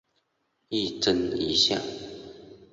一针一线